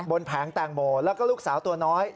แผงแตงโมแล้วก็ลูกสาวตัวน้อย